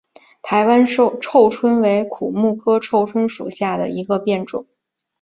台湾臭椿为苦木科臭椿属下的一个变种。